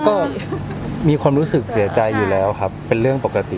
ก็มีความรู้สึกเสียใจอยู่แล้วครับเป็นเรื่องปกติ